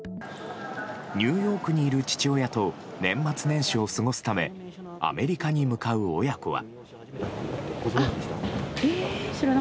ニューヨークにいる父親と年末年始を過ごすためアメリカに向かう親子は。